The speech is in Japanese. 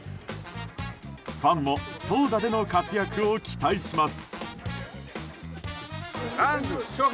ファンも投打での活躍を期待します。